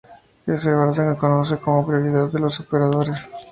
Ese orden se conoce como prioridad de los operadores.